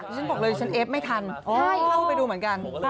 ฉันบอกเลยฉันเอฟไม่ทันเข้าไปดูเหมือนกัน